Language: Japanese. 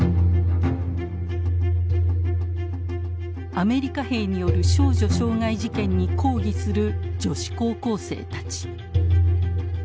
アメリカ兵による少女傷害事件に抗議する女子高校生たち。